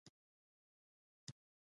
د روسیې تر انقلاب وروسته یو بهیر راپیدا شو.